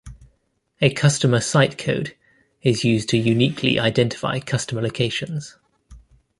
A Customer Site code is used to uniquely identify customer locations.